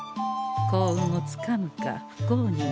幸運をつかむか不幸になるか。